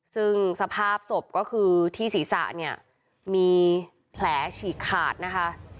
ซึ่งสภาพศพก็คือที่ศีรษะเนี่ยมีแผลฉีกขาดนะคะ